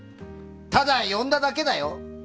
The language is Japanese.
ただ呼んだだけだよ。